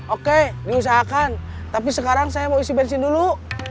oke diusahakan tapi sekarang saya mau isi bensin dulu